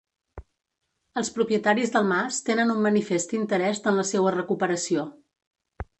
Els propietaris del mas tenen un manifest interès en la seua recuperació.